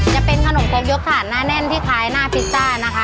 จะเป็นขนมครกยกถาดหน้าแน่นที่คล้ายหน้าพิซซ่านะคะ